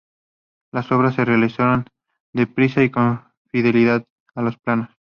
Las obras se realizaron deprisa y con fidelidad a los planos.